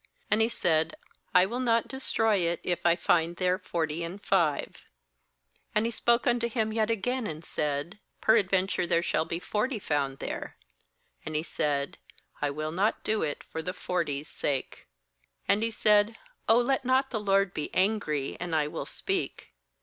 And He said: 'I will not destroy it, if I find there forty and five.' 29And he spoke unto Him yet again, and said: 'Peradventure there shall be forty found there.' And He said: 'I will not do it for the forty's sake.' s°And he said: 'Oh, let not the Lord be angry, and I will speak.